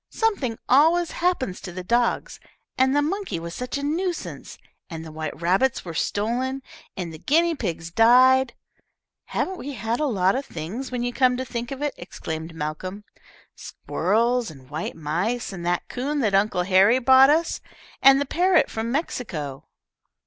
Something always happened to the dogs, and the monkey was such a nuisance, and the white rabbits were stolen, and the guinea pigs died." "Haven't we had a lot of things, when you come to think of it?" exclaimed Malcolm. "Squirrels, and white mice, and the coon that Uncle Harry brought us, and the parrot from Mexico."